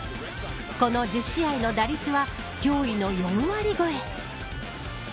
この１０試合の打率は驚異の４割超え。